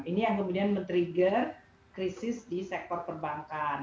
ini yang kemudian men trigger krisis di sektor perbankan